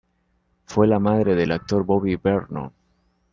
Fue la madre del actor Bobby Vernon.